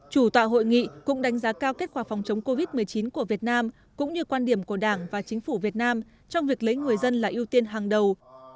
chủ tọa hội nghị cũng đánh giá cao kết quả phòng chống covid một mươi chín của việt nam cũng như quan điểm của đảng và chính phủ việt nam trong việc lấy người dân là ưu tiên hàng đầu